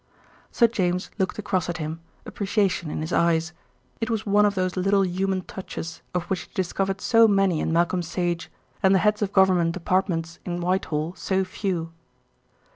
Sir James looked across at him, appreciation in his eyes. It was one of those little human touches, of which he had discovered so many in Malcolm Sage, and the heads of government departments in Whitehall so few.